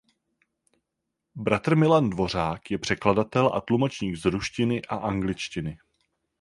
Bratr Milan Dvořák je překladatel a tlumočník z ruštiny a angličtiny.